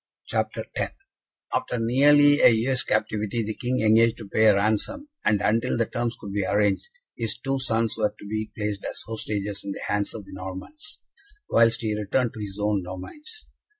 CHAPTER X After nearly a year's captivity, the King engaged to pay a ransom, and, until the terms could be arranged, his two sons were to be placed as hostages in the hands of the Normans, whilst he returned to his own domains.